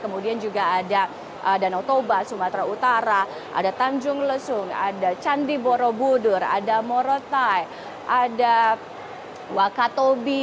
kemudian juga ada danau toba sumatera utara ada tanjung lesung ada candi borobudur ada morotai ada wakatobi